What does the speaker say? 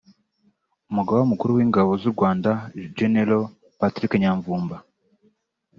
Umugaba Mukuru w’Ingabo z’u Rwanda Gen Patrick Nyamvumba